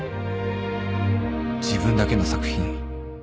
自分だけの作品